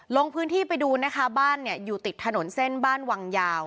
ลงพื้นที่ไปดูนะคะบ้านเนี่ยอยู่ติดถนนเส้นบ้านวังยาว